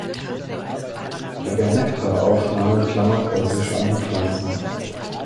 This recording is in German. Bei der Nektaraufnahme klammert er sich an die Pflanzen.